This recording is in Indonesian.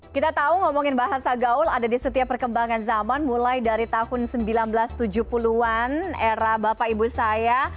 kita tahu ngomongin bahasa gaul ada di setiap perkembangan zaman mulai dari tahun seribu sembilan ratus tujuh puluh an era bapak ibu saya